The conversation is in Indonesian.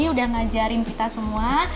sudah mengajarkan kita semua